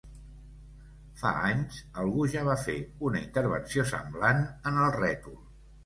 Fa anys, algú ja va fer una intervenció semblant en el rètol.